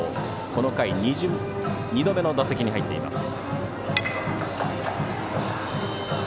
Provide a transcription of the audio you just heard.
この回、２度目の打席に入っています。